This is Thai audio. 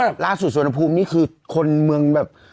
แล้วล่าสุดสุวรรณภูมินี้คือคนเมืองแบบ